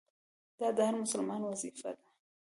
دا د هر مسلمان وظیفه ده.